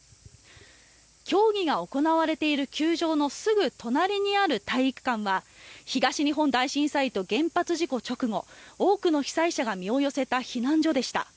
競技が行われている球場のすぐ隣にある体育館は東日本大震災と原発事故直後多くの被災者が身を寄せた避難所でした。